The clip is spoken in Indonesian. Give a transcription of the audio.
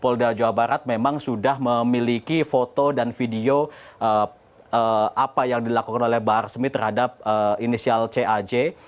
polda jawa barat memang sudah memiliki foto dan video apa yang dilakukan oleh bahar smith terhadap inisial caj